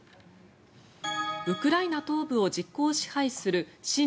ウクライナ東部を実効支配する親